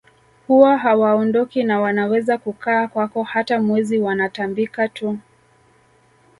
Huwa hawaondoki na wanaweza kukaa kwako hata mwezi wanatambika tu